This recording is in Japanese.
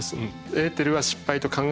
エーテルは失敗と考えちゃった。